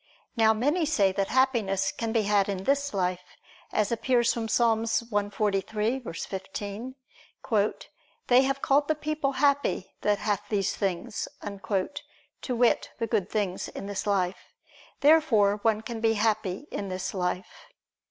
Now many say that Happiness can be had in this life, as appears from Ps. 143:15: "They have called the people happy that hath these things," to wit, the good things in this life. Therefore one can be happy in this life.